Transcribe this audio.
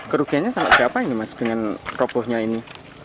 kerugiannya sama berapa ini mas dengan ropohnya ini